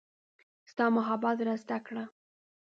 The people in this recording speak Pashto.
ستا محبت را زده کړه